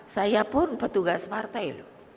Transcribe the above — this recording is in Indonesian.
saya pun petugas partai